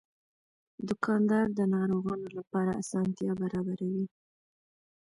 دوکاندار د ناروغانو لپاره اسانتیا برابروي.